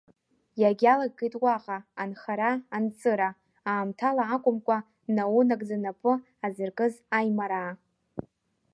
Иагьалагеит уаҟа анхара-анҵыра, аамҭала акәымкәа, наунагӡа напы азыркыз Аимараа.